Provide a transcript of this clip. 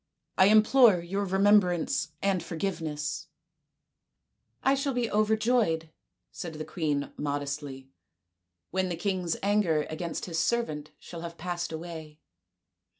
I implore your remembrance and forgiveness." SAKUNTALA AND DUSHYANTA 253 " I shall be overjoyed," said the queen modestly, " when the king's anger against his servant shall have passed away."